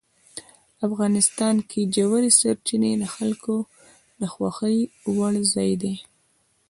افغانستان کې ژورې سرچینې د خلکو د خوښې وړ ځای دی.